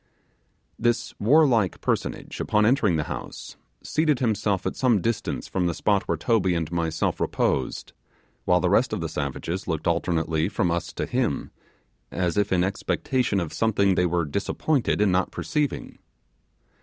This warlike personage, upon entering the house, seated himself at some distance from the spot where Toby and myself reposed, while the rest of the savages looked alternately from us to him, as if in expectation of something they were disappointed in not perceiving.